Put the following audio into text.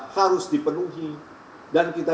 harus dipenuhi dan kita